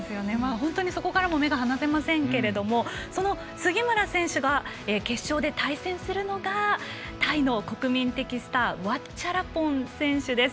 本当にそこからも目が離せませんけれども杉村選手が決勝で対戦するのがタイの国民的スターワッチャラポン選手です。